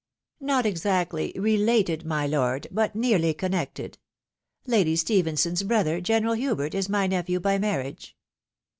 " Not exactly related^ my lord, but nearly connected ; Lady Stephenson's brother, General Hubert, is my nephew by marriage."